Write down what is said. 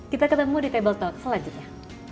kita ketemu di table talk selanjutnya